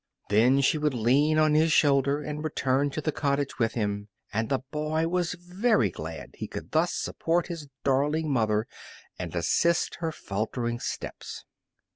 Then she would lean on his shoulder and return to the cottage with him, and the boy was very glad he could thus support his darling mother and assist her faltering steps.